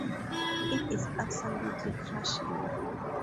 It is absolutely crushing.